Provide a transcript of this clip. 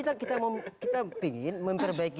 karena ini kita ingin memperbaikinya